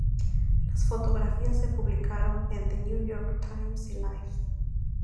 Las fotografías se publicaron en "The New York Times" y "Life".